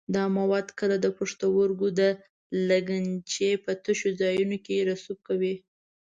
دا مواد کله د پښتورګو د لګنچې په تشو ځایونو کې رسوب کوي.